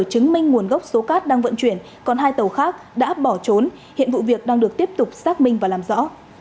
chứng minh nguồn gốc số cát đang vận chuyển còn hai tàu khác đã bỏ trốn hiện vụ việc đang được tiếp tục xác minh và làm rõ